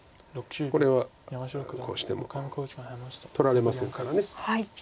これはこうしても取られませんから。